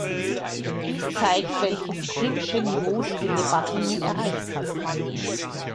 Dies zeigt, welches Grimmsche Niveau diese Debatte nun erreicht hat.